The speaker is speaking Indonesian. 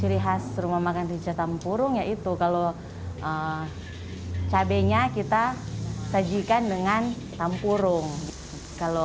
ya ciri khas rumah makan ricah tampurung yaitu kalau cabainya kita sajikan dengan tampurung dzai uli hai rapoh hai c videos